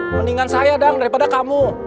mendingan saya dong daripada kamu